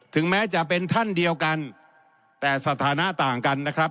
แม้จะเป็นท่านเดียวกันแต่สถานะต่างกันนะครับ